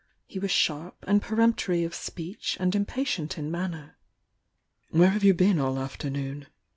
He was sharp and peremptory of speech and impatient in manner. Where have you been all the afternoon?"